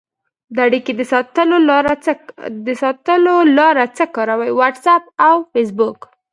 د اړیکې د ساتلو لاره څه کاروئ؟ واټساپ او فیسبوک